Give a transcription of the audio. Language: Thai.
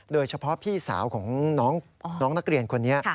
โดยเฉพาะพี่สาวของน้องนักเรียนคนนี้